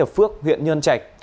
phước huyện nhơn trạch